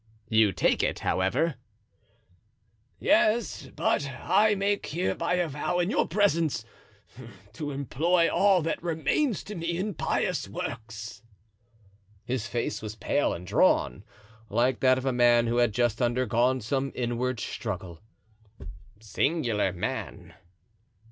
"You take it, however." "Yes, but I make hereby a vow in your presence, to employ all that remains to me in pious works." His face was pale and drawn, like that of a man who had just undergone some inward struggle. "Singular man!"